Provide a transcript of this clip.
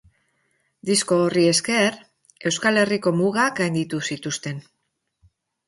Disko horri esker, Euskal Herriko mugak gainditu zituzten.